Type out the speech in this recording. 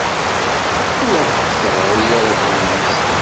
Ur aɣ-d-teggri ara tumast.